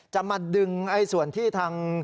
จะมาดึงส่วนที่ทาง